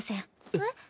えっ？